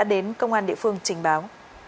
chú của cháu bé đã đến công an địa phương trình báo